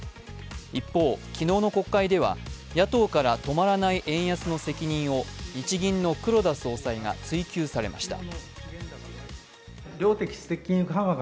一方、昨日の国会では、野党から止まらない円安の責任を日銀の黒田総裁が追及されました。